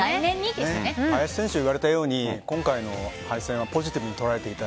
林選手が言われたように今回の敗戦はポジティブに捉えていく。